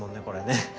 これね。